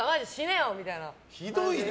ひどいね。